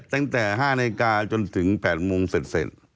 ตั้งแต่๕นาฬิกาจนถึง๘โมงเสร็จ